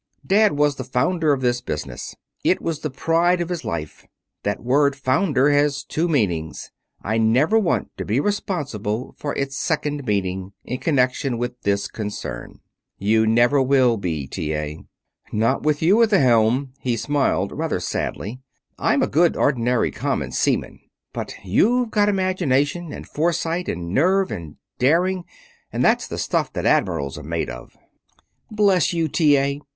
Dad was the founder of this business. It was the pride of his life. That word 'founder' has two meanings. I never want to be responsible for its second meaning in connection with this concern." "You never will be, T. A." "Not with you at the helm." He smiled rather sadly. "I'm a good, ordinary, common seaman. But you've got imagination, and foresight, and nerve, and daring, and that's the stuff that admirals are made of." "Bless you, T. A.!